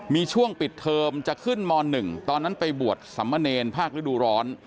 มีช่วงปิดเทอมจะขึ้นม๑ตอนนั้นไปบวชสัมมะเนรภาคฤดูร้อน